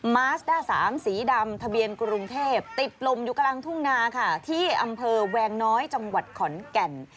มาสด้าสามสีดำทะเบียนกรุงเทพติดลมอยู่กลางทุ่งนาค่ะที่อำเภอแวงน้อยจังหวัดขอนแก่น